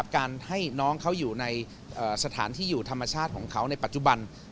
การให้น้องเขาอยู่ในสถานที่อยู่ธรรมชาติของเขาในปัจจุบัน